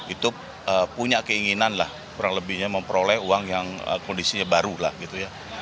itu punya keinginan lah kurang lebihnya memperoleh uang yang kondisinya baru lah gitu ya